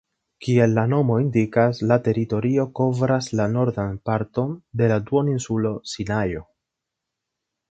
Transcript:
Kiel la nomo indikas, la teritorio kovras la nordan parton de la duoninsulo Sinajo.